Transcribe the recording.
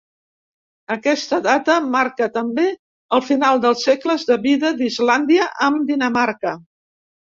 Aquesta data marca també el final dels segles de vida d'Islàndia amb Dinamarca.